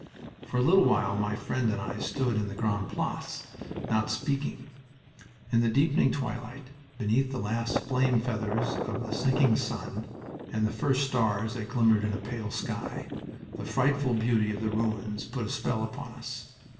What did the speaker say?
For a little while my friend and I stood in the Grande Place, not speaking. In the deepening twilight, beneath the last flame feathers of the sinking sun and the first stars that glimmered in a pale sky, the frightful beauty of the ruins put a spell upon us.